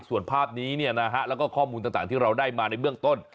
ส่วนภาพนี้แล้วก็ข้อมูลต่างที่เราได้มาในเบื้องต้น